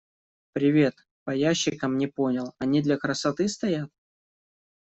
Привет, по ящикам не понял, они для красоты стоят?